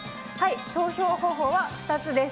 投票方法は２つです。